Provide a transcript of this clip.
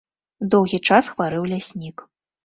Доўгі час хварэў ляснік.